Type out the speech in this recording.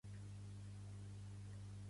Què demana Esquerra Independentista?